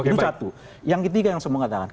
itu satu yang ketiga yang saya mau katakan